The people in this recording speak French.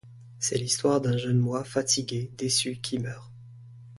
C’est l’histoire d’un jeune moi fatigué, déçu, qui meurt.